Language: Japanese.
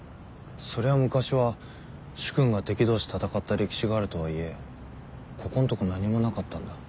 そりゃあ昔は主君が敵同士戦った歴史があるとはいえここんとこ何もなかったんだ。